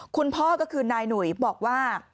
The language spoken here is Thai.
คุณพ่อก็คือนายหนุ่ยบอกว่า